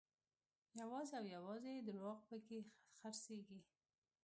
یوازې او یوازې درواغ په کې خرڅېږي.